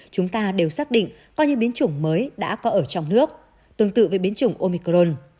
chúng ta đều xác định có những biến chủng mới đã có ở trong nước tương tự với biến chủng omicron